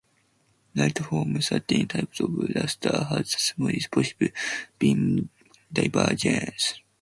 Light from certain types of laser has the smallest possible beam divergence.